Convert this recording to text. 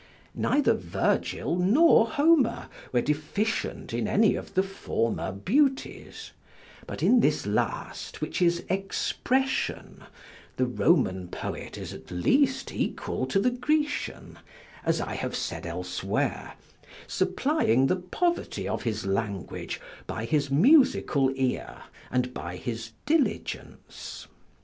Neither Virgil nor Homer were deficient in any of the former beauties; but in this last, which is expression, the Roman poet is at least equal to the Grecian, as I have said elsewhere; supplying the poverty of his language by his musical ear, and by his diligence.